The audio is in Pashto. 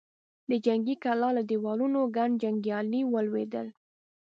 د جنګي کلا له دېوالونو ګڼ جنګيالي ولوېدل.